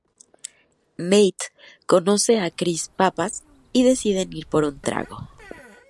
Nate conoce a Chris Pappas y deciden ir por un trago.